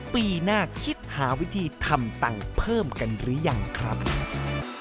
ปีหน้าคิดหาวิธีทำตังค์เพิ่มกันหรือยังครับ